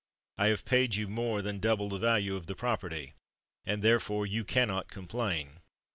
I have paid you more than double the value of the property; and, therefore, you cannot complain.